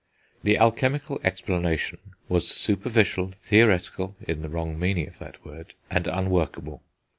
The alchemical explanation was superficial, theoretical, in the wrong meaning of that word, and unworkable.